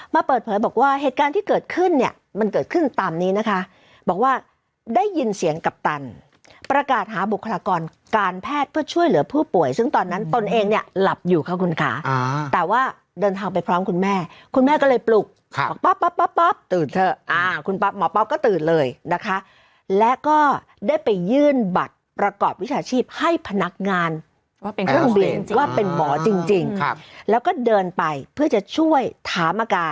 มาเปิดเผยบอกว่าเหตุการณ์ที่เกิดขึ้นเนี่ยมันเกิดขึ้นตามนี้นะคะบอกว่าได้ยินเสียงกัปตันประกาศหาบุคลากรการแพทย์เพื่อช่วยเหลือผู้ป่วยซึ่งตอนนั้นตนเองเนี่ยหลับอยู่ค่ะคุณขาแต่ว่าเดินทางไปพร้อมคุณแม่คุณแม่ก็เลยปลุกป๊อบป๊อบป๊อบป๊อบตื่นเถอะอ่าคุณป๊อบหมอป๊อบก็ตื่นเลยนะคะ